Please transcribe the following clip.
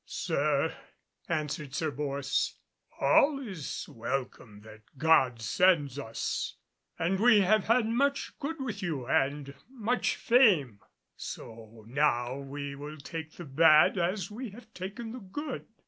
"Sir," answered Sir Bors, "all is welcome that God sends us, and we have had much good with you and much fame, so now we will take the bad as we have taken the good."